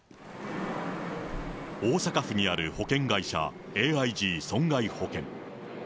大阪府にある保険会社、ＡＩＧ損害保険。